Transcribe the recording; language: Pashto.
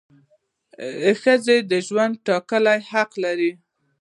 ښځه د ژوند د ټاکلو حق لري.